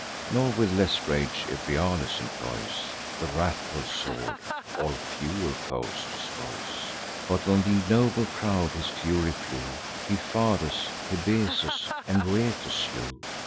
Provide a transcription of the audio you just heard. Nor with less rage Euryalus employs The wrathful sword, or fewer foes destroys; But on th' ignoble crowd his fury flew; He Fadus, Hebesus, and Rhoetus slew.